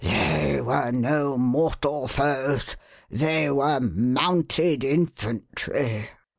They were no mortal foes — they were Mounted Infantry."